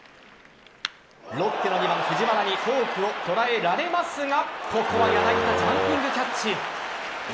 ロッテの２番・藤原にフォークを捉えられますがここは柳田ジャンピングキャッチ。